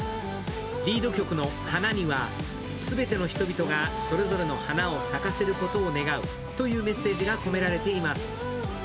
リード曲の「ＨＡＮＡ＿花」には全ての人々がそれぞれの花を咲かせることを願うというメッセージが込められています。